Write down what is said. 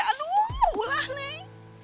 aduh ulah neng